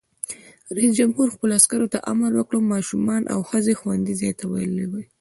رئیس جمهور خپلو عسکرو ته امر وکړ؛ ماشومان او ښځې خوندي ځای ته ولېلوئ!